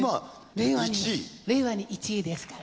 令和に令和に１位ですから。